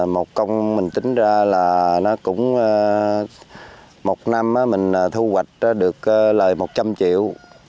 một công mình tính ra là nó cũng một năm mình thu hoạch được lời một trăm linh triệu